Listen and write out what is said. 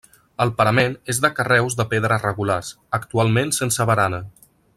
El parament és de carreus de pedra regulars, actualment sense barana.